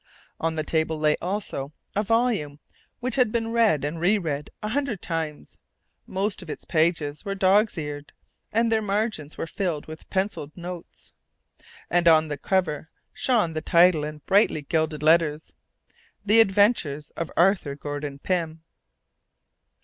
On the table lay also a volume which had been read and re read a hundred times. Most of its pages were dogs' eared and their margins were filled with pencilled notes. And on the cover shone the title in brightly gilded letters: THE ADVENTURES OF ARTHUR GORDON PYM.